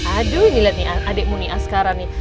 aduh ini lihat nih adik muni askara nih